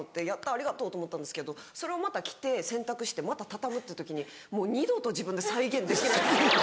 ありがとうと思ったんですけどそれをまた着て洗濯してまた畳むっていう時にもう二度と自分で再現できなくて。